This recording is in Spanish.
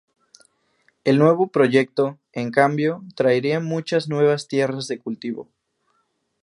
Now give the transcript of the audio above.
El nuevo proyecto, en cambio, traería muchas nuevas tierras de cultivo.